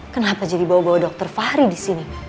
kenapa jadi bawa bawa dokter fahri disini